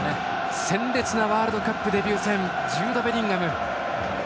鮮烈なワールドカップデビュー戦ジュード・ベリンガム。